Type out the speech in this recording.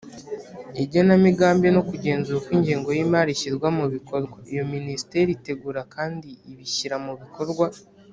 igenamigambi no kugenzura uko ingengo y imari ishyirwa mu bikorwa Iyo Minisiteri itegura kandi ibishyira mubikorwa